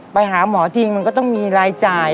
ไปหาหมอจริงมันก็ต้องมีรายจ่าย